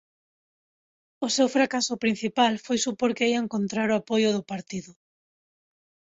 O seu fracaso principal foi supor que ía encontrar o apoio do partido